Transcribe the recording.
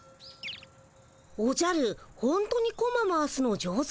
おじゃるほんとにコマ回すの上手なんだね。